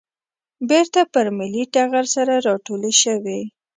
بېرته پر ملي ټغر سره راټولې شوې.